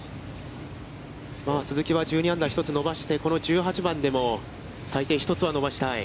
鈴木は１２アンダー１つ伸ばして、この１８番でも、最低１つは伸ばしたい。